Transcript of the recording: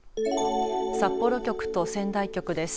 札幌局と仙台局です。